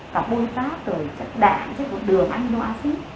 cả bôi pháp chất đạn chất vụt đường amino acid